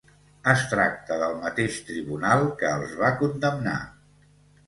Es tracta del mateix tribunal que els va condemnar.